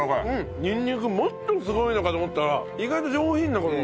にんにくもっとすごいのかと思ったら意外と上品なこの。